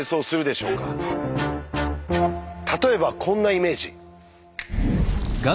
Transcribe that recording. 例えばこんなイメージ？